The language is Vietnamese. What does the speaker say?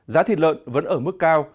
giá thịt lợn vẫn ở mức cao